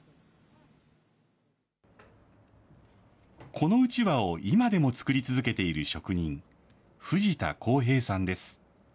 このうちわを今でも作り続けている職人、藤田昂平さんです。